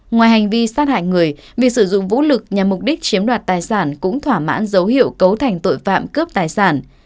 ngoài hành vi sát hại người sử dụng vũ lực nhằm mục đích chiếm đoạt tài sản cũng thỏa mãn dấu hiệu cấu thành tội phạm cướp tài sản